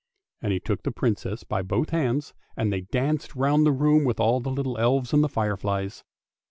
" And he took the Princess by both hands and they danced round the room with all the little elves and the fireflies.